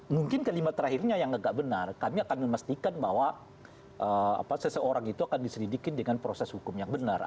mungkin kalimat terakhirnya yang agak benar kami akan memastikan bahwa seseorang itu akan diselidiki dengan proses hukum yang benar